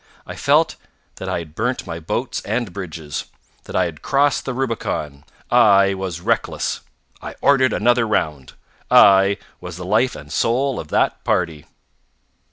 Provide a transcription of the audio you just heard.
I felt that I had burnt my boats and bridges; that I had crossed the Rubicon. I was reckless. I ordered another round. I was the life and soul of that party.